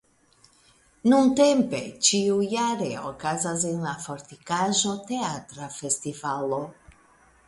Nuntempe ĉiujare okazas en la fortikaĵo teatra festivalo.